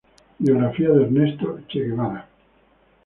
Biografía de Ernesto "Che" Guevara.